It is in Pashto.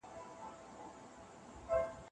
د اجتماعی پیښو تحلیل د علم د پرمختګ لپاره اړین دی.